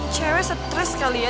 cewek stress kali ya